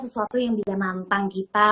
sesuatu yang bisa nantang kita